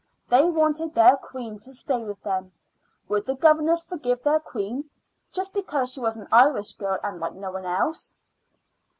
They wanted their queen to stay with them. Would the governors forgive their queen, just because she was an Irish girl and like no one else?